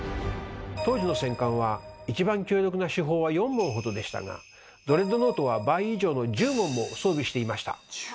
当時の戦艦は一番強力な主砲は４門ほどでしたがドレッドノートは倍以上の１０門も装備していました。